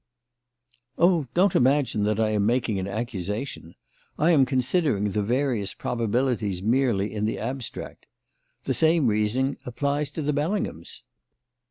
"Oh, don't imagine that I am making an accusation. I am considering the various probabilities merely in the abstract. The same reasoning applies to the Bellinghams.